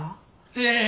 ええ。